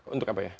untuk apa ya